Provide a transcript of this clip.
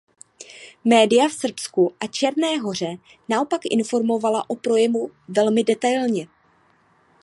Média v Srbsku a Černé Hoře naopak informovala o projevu velmi detailně.